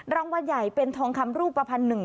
รางวัลใหญ่เป็นทองคำรูปภัณฑ์หนึ่ง